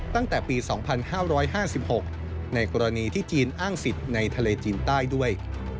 ตั้งแต่ปี๒๕๕๖ในกรณีที่จีนอ้างสิทธิ์ในทะเลจีนใต้ด้วย